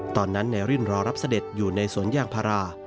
ตอนนั้นไหนรินรอรับสเด็จอยู่ในสวนย่างพารา